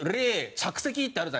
着席！」ってあるじゃないですか。